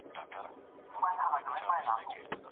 يو کيلو زر ګرامه کیږي.